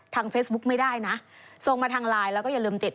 เฟซบุ๊กไม่ได้นะส่งมาทางไลน์แล้วก็อย่าลืมติด